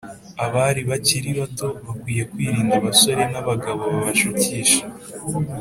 abari bakiri bato bakwiye kwirinda abasore n’abagabo babashukisha